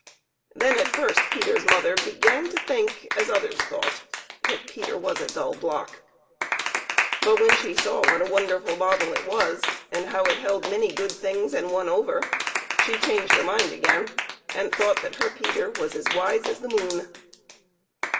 Then at first Peter's mother began to think as others thought, that Peter was a dull block. But when she saw what a wonderful bottle it was, and how it held many good things and one over, she changed her mind again, and thought that her Peter was as wise as the moon.